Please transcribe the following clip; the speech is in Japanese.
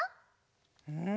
うん？